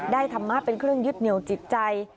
ธรรมะเป็นเครื่องยึดเหนียวจิตใจ